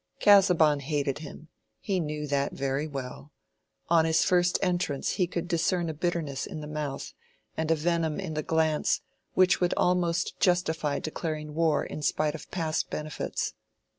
Casaubon hated him—he knew that very well; on his first entrance he could discern a bitterness in the mouth and a venom in the glance which would almost justify declaring war in spite of past benefits.